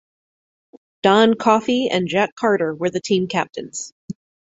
Don Coffey and Jack Carter were the team captains.